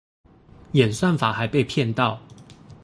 演算法還被騙到